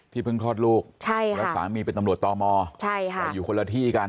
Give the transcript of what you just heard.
เพิ่งคลอดลูกแล้วสามีเป็นตำรวจตมแต่อยู่คนละที่กัน